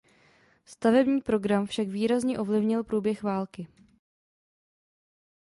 Stavební program však výrazně ovlivnil průběh války.